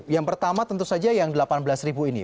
yang pertama tentu saja yang delapan belas ini